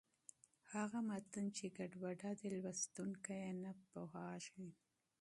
هغه متن چې ګډوډه دی، لوستونکی یې نه پوهېږي.